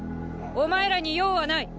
お前らに用はない！